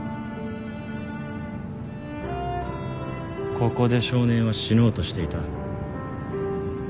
ここで少年は死のうとしていた。